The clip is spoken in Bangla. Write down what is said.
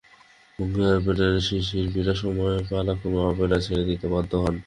বঙ্গীয় অপেরার সেই শিল্পীরা সময়ের পালাক্রমে অপেরা ছেড়ে দিতে বাধ্য হন।